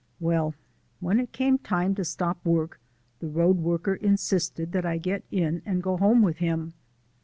Well, when it came time to stop work the road worker insisted that I get in and go home with him.